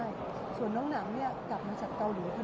พี่คิดว่าเข้างานทุกครั้งอยู่หรือเปล่า